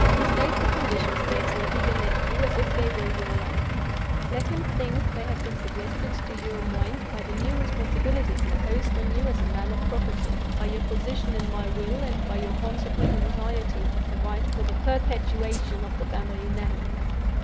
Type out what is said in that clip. "State the conditions, therefore, to your nephew, as if they were your own. Let him think they have been suggested to your mind by the new responsibilities imposed on you as a man of property, by your position in my will, and by your consequent anxiety to provide for the perpetuation of the family name.